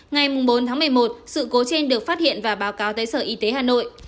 ngày bốn tháng một mươi một sự cố trên được phát hiện và báo cáo tới sở y tế hà nội